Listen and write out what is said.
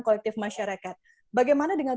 kollektif masyarakat bagaimana dengan